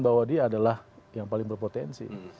bahwa dia adalah yang paling berpotensi